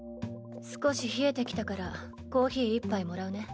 少し冷えてきたからコーヒー１杯もらうね。